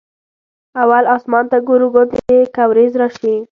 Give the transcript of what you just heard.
اول اسمان ته ګورو ګوندې که ورېځ راشي.